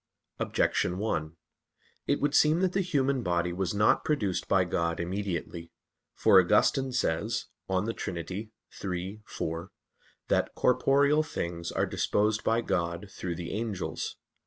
Objection 1: It would seem that the human body was not produced by God immediately. For Augustine says (De Trin. iii, 4), that "corporeal things are disposed by God through the angels."